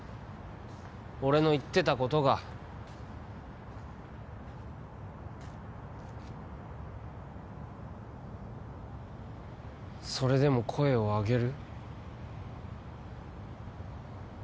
俺の言ってたことがそれでも声を上げる？